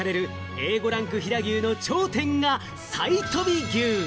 Ａ５ランク飛騨牛の頂点が、最飛び牛。